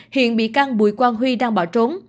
hiện bị can bùi quang huy đang bỏ trốn